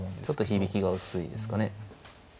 ちょっと響きが薄いですかね。